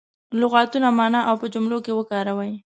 لغتونه معنا او په جملو کې وکاروي.